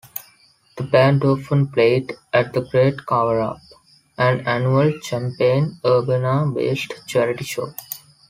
The band often played at The Great Cover-up, an annual Champaign-Urbana based charity show.